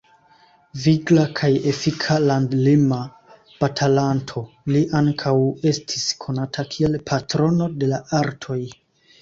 Vigla kaj efika landlima batalanto, li ankaŭ estis konata kiel patrono de la artoj.